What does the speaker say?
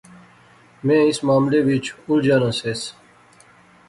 میں اس معاملے وچ الجھا ناں سیس